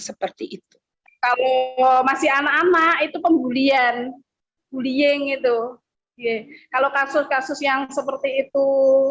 seperti itu kalau masih anak anak itu pembulian bullying itu kalau kasus kasus yang seperti itu